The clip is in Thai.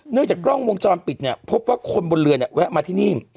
จากกล้องวงจรปิดเนี่ยพบว่าคนบนเรือเนี่ยแวะมาที่นี่